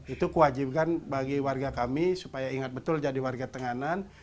itu kewajiban bagi warga kami supaya ingat betul jadi warga tenganan